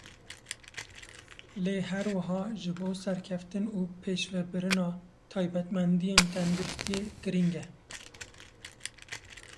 lê her wiha ji bo serkeftin û pêşvebirina taybetmendiyên tenduristî girîng e.